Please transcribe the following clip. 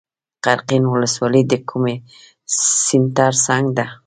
قرقین ولسوالۍ د کوم سیند تر څنګ ده؟